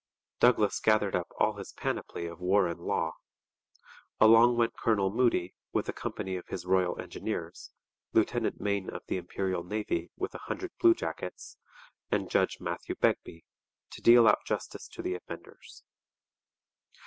Douglas gathered up all his panoply of war and law. Along went Colonel Moody, with a company of his Royal Engineers, Lieutenant Mayne of the Imperial Navy with a hundred bluejackets, and Judge Matthew Begbie, to deal out justice to the offenders.